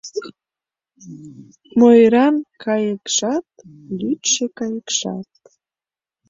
Мойран кайыкшат - лӱдшӧ кайыкшат